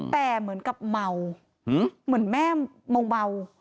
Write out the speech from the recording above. แต่เหมือนกับเมาเหมือนแม่เมา